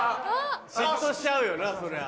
嫉妬しちゃうよなそりゃ。